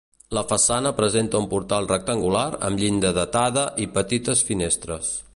La façana presenta un portal rectangular amb llinda datada i petites finestres.